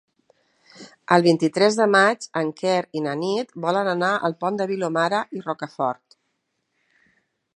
El vint-i-tres de maig en Quer i na Nit volen anar al Pont de Vilomara i Rocafort.